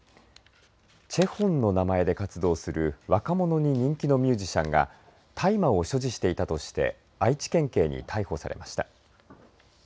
ＣＨＥＨＯＮの名前で活動する若者に人気のミュージシャンが大麻を所持していたとして愛知県警に逮捕されました。